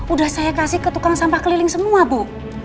udah saya kasih ke tukang sampah keliling semua bu